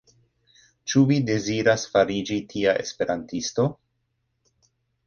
Ĉu vi deziras fariĝi tia Esperantisto?